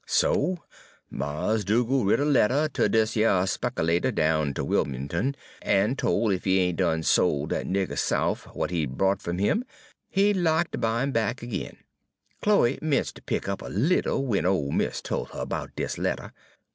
"So Mars' Dugal' writ a letter ter dis yer spekilater down ter Wim'l'ton, en tol' ef he ain' done sol' dat nigger Souf w'at he bought fum 'im, he'd lack ter buy 'im back ag'in. Chloe 'mence' ter pick up a little w'en ole mis' tol' her 'bout dis letter.